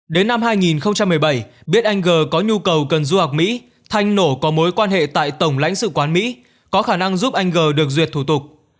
đến năm hai nghìn một mươi bảy biết anh g có nhu cầu cần du học mỹ thanh nổ có mối quan hệ tại tổng lãnh sự quán mỹ có khả năng giúp anh g được duyệt thủ tục